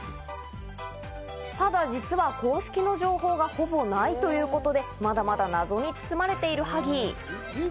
ただ実は公式の情報がほぼないということで、まだまだ謎に包まれているハギー。